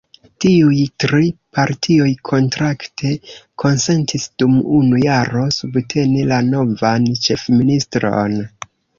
Tiuj tri partioj kontrakte konsentis dum unu jaro subteni la novan ĉefministron.